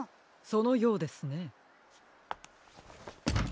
そのようですね。